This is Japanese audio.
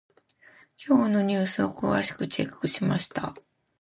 今日のニュースを詳しくチェックしました。